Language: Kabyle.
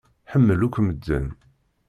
Ḥemmel akk medden.